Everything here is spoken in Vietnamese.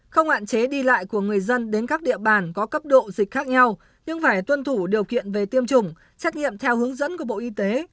không hạn chế đi lại của người dân đến các địa bàn có cấp độ dịch khác nhau nhưng phải tuân thủ điều kiện về tiêm chủng xét nghiệm theo hướng dẫn của bộ y tế